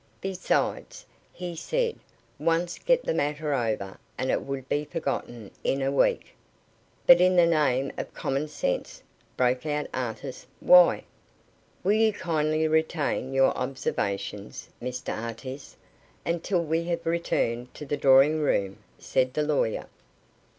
Besides, he said, once get the matter over, and it would be forgotten in a week." "But, in the name of common sense," broke out Artis, "why " "Will you kindly retain your observations, Mr Artis, until we have returned to the drawing room," said the lawyer.